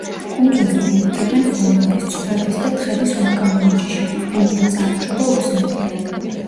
კუნძულზე ბინადრობენ ღორების, ცხვრების და თხების უნიკალური ჯიშები, რომელთა წარმოშობა უცნობია.